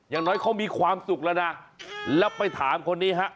อย่างน้อยเขามีความสุขแล้วนะแล้วไปถามคนนี้ฮะ